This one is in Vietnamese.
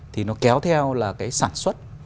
thì nó kéo theo là cái sản xuất